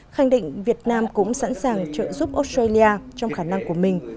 khẳng định việt nam cũng sẵn sàng trợ giúp australia trong khả năng của mình